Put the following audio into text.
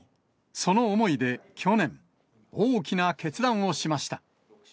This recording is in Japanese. その思いで去年、大きな決断をしました。